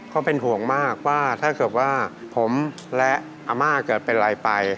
เขาเป็นห่วงมากว่าถ้าเกิดว่าผมและอาม่าเกิดเป็นอะไรไป